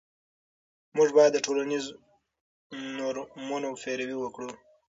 موږ باید د ټولنیزو نورمونو پیروي وکړو.